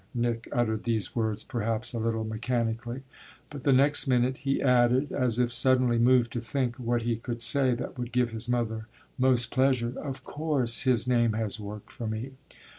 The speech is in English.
Nick uttered these words perhaps a little mechanically, but the next minute he added as if suddenly moved to think what he could say that would give his mother most pleasure: "Of course his name has worked for me.